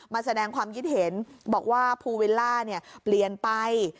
มาแสดงความคิดเห็นบอกว่าภูวิลล่าเปลี่ยนไป